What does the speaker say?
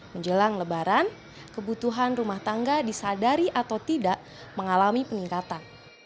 menjelang lebaran kebutuhan rumah tangga disadari atau tidak mengalami peningkatan